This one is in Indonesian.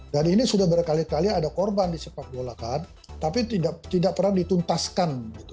dan ini sudah berkali kali ada korban di sepak bolakan tapi tidak pernah dituntaskan